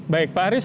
baik pak aris